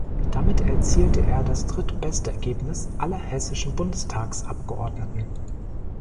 Damit erzielte er das drittbeste Ergebnis aller hessischen Bundestagsabgeordneten.